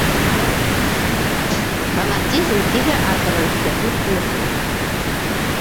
Фанатизм, - ти ҙә, артабан китә, һүҙ ҡуйыртмай.